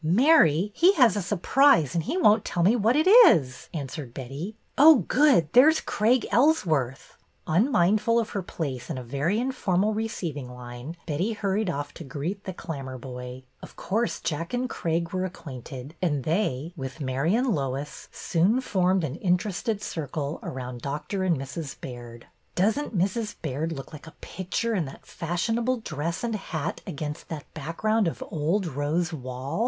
" Mary, he has a surprise and he won't tell me what it is," answered Betty. " Oh, good ! There 's Craig Ellsworth !'' Unmindful of her place in a very informal receiving line, Betty hurried off to greet the Clammerboy. Of course Jack and Craig were acquainted, and they with Mary and Lois soon formed an interested circle around Dr. and Mrs. Baird. " Does n't Mrs. Baird look like a picture in that fashionable dress and hat against that background of old rose wall!"